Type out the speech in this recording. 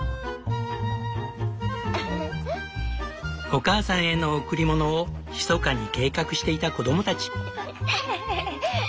お母さんへの贈り物をひそかに計画していた子どもたち。